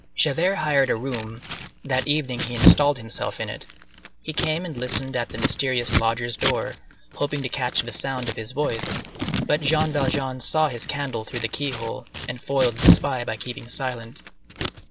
Javert hired a room; that evening he installed himself in it. He came and listened at the mysterious lodger's door, hoping to catch the sound of his voice, but Jean Valjean saw his candle through the key hole, and foiled the spy by keeping silent.